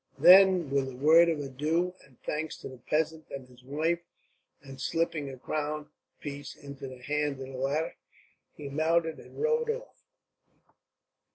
Then, with a word of adieu and thanks to the peasant and his wife, and slipping a crown piece into the hand of the latter, he mounted and rode off.